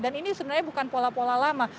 dan ini sebenarnya bukan pola pola lama